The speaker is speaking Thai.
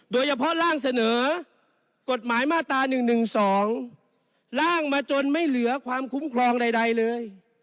โดยเฉพาะร่างเสนอกฎหมายมาตรา๑๑๒ร่างมาจนไม่เหลือความคุ้มครองใดเลย